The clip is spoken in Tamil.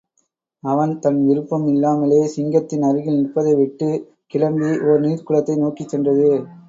அவன் தன் விருப்பம் இல்லாமலே, சிங்கத்தின் அருகில் நிற்பதைவிட்டுக் கிளம்பி, ஒரு நீர்க்குளத்தை நோக்கிச் சென்றது.